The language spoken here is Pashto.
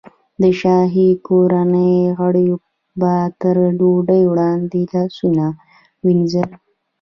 د شاهي کورنۍ غړیو به تر ډوډۍ وړاندې لاسونه وینځل.